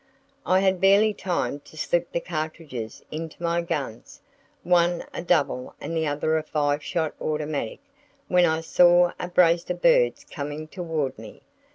I had barely time to slip the cartridges into my guns—one a double and the other a five shot automatic—when I saw a brace of birds coming toward me.